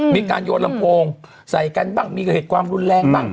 มีการโยนลำโพงใส่กันบ้างมีเหตุความรุนแรงบ้าง